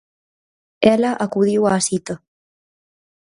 Ela acudiu á cita.